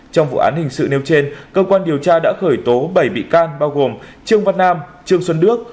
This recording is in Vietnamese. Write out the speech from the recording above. trong vụ án hình sự nêu trên cơ quan điều tra đã khởi tố bảy bị can bao gồm trương văn nam trương xuân đức